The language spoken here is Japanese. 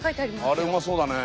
あれうまそうだね。